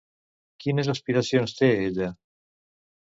Quines aspiracions té ella?